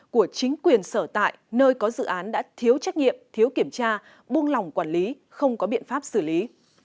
của chính quyền sở tại nơi có dự án đã thiếu trách nhiệm thiếu kiểm tra buông lòng quản lý không có biện pháp xử lý